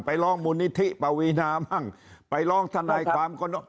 ไปล้องมูลนิธิปวีนาบ้างไปล้องทันใดความก่อน